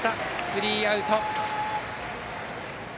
スリーアウト。